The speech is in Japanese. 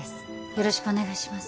よろしくお願いします